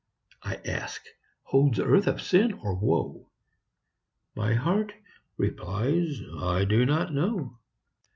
I ask, "Holds earth of sin, or woe?" My heart replies, "I do not know."